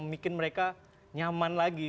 membuat mereka nyaman lagi